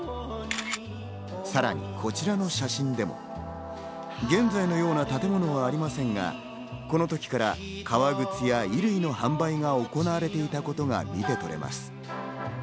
さらに、こちらの写真でも現在のような建物はありませんが、この時から革靴や衣類の販売は行われていたことが見てとれます。